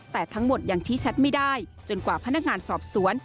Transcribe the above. แต่ทั้งหมดยังชี้ชัดไม่ได้จนกว่าพนักงานสอบสวน